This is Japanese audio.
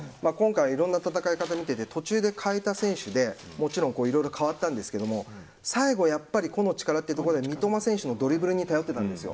いろんな戦いを見ていて途中で代えた選手でもちろんいろいろ変わったんですけど最後やっぱり個の力というところで三笘選手のドリブルに頼ってたんですよ。